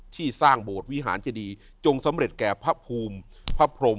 ที่สร้างโบสถ์วิหารเจดีจงสำเร็จแก่พระภูมิพระพรม